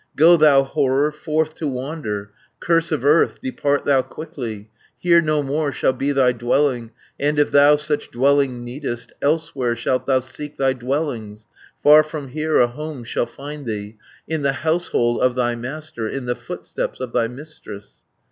"Go thou horror, forth to wander, Curse of earth depart thou quickly, 310 Here no more shall be thy dwelling, And if thou such dwelling needest, Elsewhere shalt thou seek thy dwellings, Far from here a home shalt find thee, In the household of thy master, In the footsteps of thy mistress.